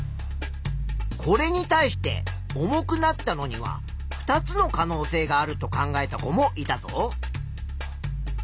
これに対して重くなったのには２つの可能性があると考えた子もいたぞ。